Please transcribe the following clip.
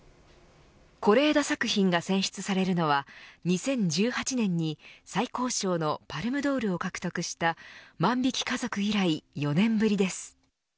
是枝作品が選出されるのは２０１８年に最高賞のパルムドールを獲得した万引き家族以来４年ぶりです。